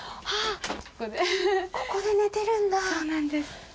そうなんです。